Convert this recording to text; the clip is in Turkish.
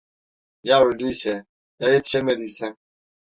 Ya öldüyse, ya yetişemediysem!